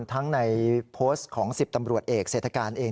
ทั้งในโพสต์ของ๑๐ตำรวจเอกเศรษฐการเอง